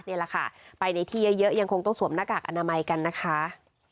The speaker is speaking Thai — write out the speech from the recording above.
นี่แหละค่ะไปในที่เยอะยังคงต้องสวมหน้ากากอนามัยกันนะคะ